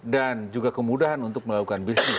dan juga kemudahan untuk melakukan bisnis